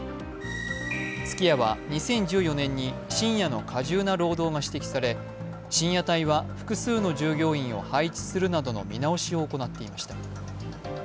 すき家は２０１４年に深夜の過重な労働が指摘され深夜帯は複数の従業員を配置するなどの見直しを行っていました。